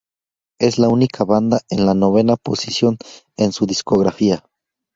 Es la única banda en la novena posición en su discografía.